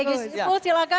guz siful silahkan